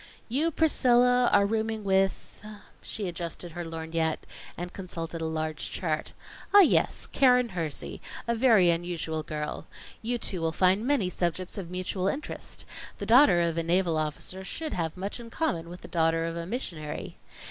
"You, Priscilla, are rooming with " She adjusted her lorgnette and consulted a large chart. "Ah, yes, Keren Hersey, a very unusual girl. You two will find many subjects of mutual interest. The daughter of a naval officer should have much in common with the daughter of a missionary.